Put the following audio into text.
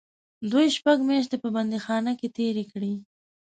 دوی شپږ میاشتې په بندیخانه کې تېرې کړې.